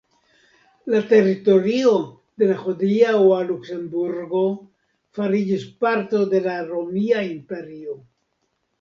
La teritorio de la hodiaŭa Luksemburgio fariĝis parto de la romia imperio.